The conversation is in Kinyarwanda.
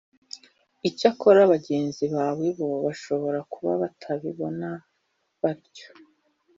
Icyakora bagenzi bawe bo bashobora kuba batabibona batyo